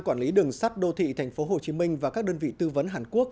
các quản lý đường sắt đô thị thành phố hồ chí minh và các đơn vị tư vấn hàn quốc